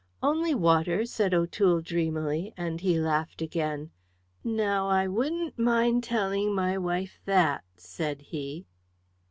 "Only water," said O'Toole, dreamily, and he laughed again. "Now I wouldn't mind telling my wife that," said he.